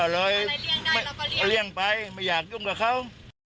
เลยเลี่ยงไปไม่อยากยุ่งกับเขา